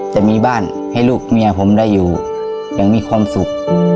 จะมีบ้านให้ลูกเมียผมได้อยู่อย่างมีความสุข